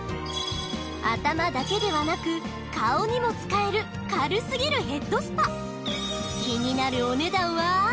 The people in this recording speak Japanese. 頭だけではなく顔にも使える軽すぎるヘッドスパ気になるお値段は？